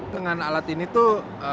dengan alat ini tuh